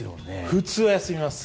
普通は休みます。